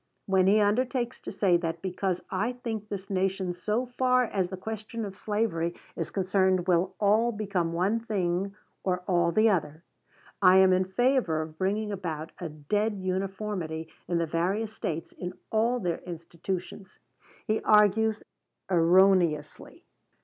When he undertakes to say that, because I think this nation so far as the question of slavery is concerned will all become one thing or all the other, I am in favor of bringing about a dead uniformity in the various States in all their institutions, he argues erroneously.